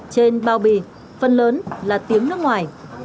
trên bao bì phần lớn là tiếng nước ngoài